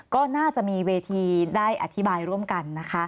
ก็น่าจะมีเวทีได้อธิบายร่วมกันนะคะ